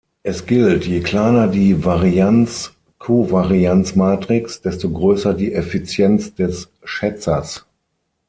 Es gilt je „kleiner“ die Varianz-Kovarianz-Matrix, desto größer die Effizienz des Schätzers.